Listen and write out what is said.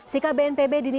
sika bnpb dinilai